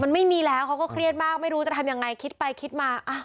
มันไม่มีแล้วเขาก็เครียดมากไม่รู้จะทำยังไงคิดไปคิดมา